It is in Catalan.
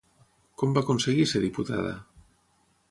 Com va aconseguir ser diputada?